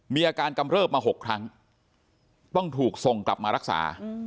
มีอาการกำเริบมา๖ครั้งต้องถูกส่งกลับมารักษา